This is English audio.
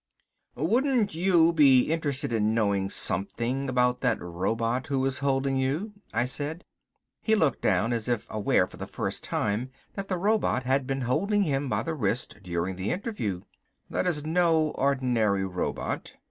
"Wouldn't you be interested in knowing something about that robot who is holding you," I said. He looked down, as if aware for the first time that the robot had been holding him by the wrist during the interview. "That is no ordinary robot.